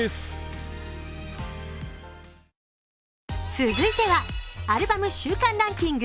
続いてはアルバム週間ランキング。